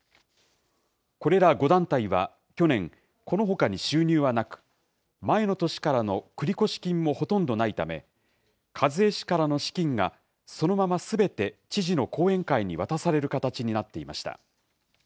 これら５団体は去年、このほかに収入はなく、前の年からの繰越金もほとんどないため、一衛氏からの資金がそのまますべて知事の後援会に渡される形になっていました。